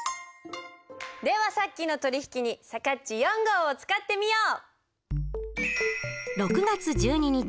ではさっきの取引にさかっち４号を使ってみよう！